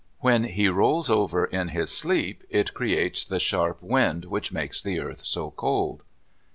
When he rolls over in his sleep, it creates the sharp wind which makes the earth so cold.